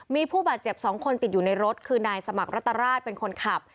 มีผู้บาดเจ็บ๒คนติดอยู่ในรถคือนายสมัครรัตราชเป็นคนขับ